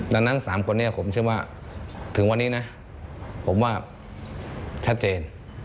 ดังนั้น๓คนนี้ผมเชื่อว่าถึงวันนี้นะผมว่าชัดเจน